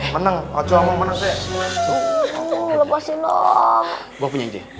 menang acu aku mau menang